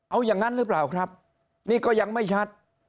เอาอย่างนั้นหรือเปล่าครับนี่ก็ยังไม่ชัด